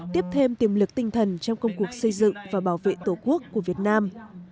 tiếp thêm tiềm lực tinh thần trong công cuộc xây dựng và bảo vệ tổ quốc của việt nam